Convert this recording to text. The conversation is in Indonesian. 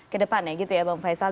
ke depannya gitu ya bang faisal